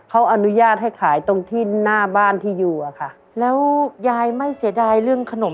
เขาอนุญาตให้ขายตรงที่หน้าบ้านที่อยู่อะค่ะแล้วยายไม่เสียดายเรื่องขนม